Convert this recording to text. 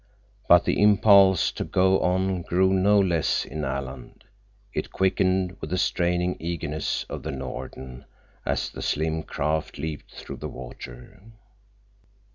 But the impulse to go on grew no less in Alan. It quickened with the straining eagerness of the Norden as the slim craft leaped through the water.